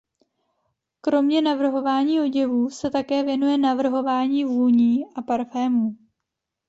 Kromě navrhování oděvů se také věnuje navrhování vůní a parfémů.